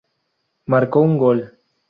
Marcó un gol.